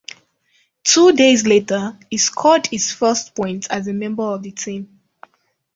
Two days later, he scored his first points as a member of the team.